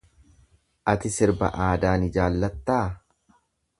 Ati sirba aadaa ni jaallattaa?